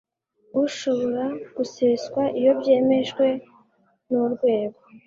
ushobora guseswa iyo byemejwe n urwego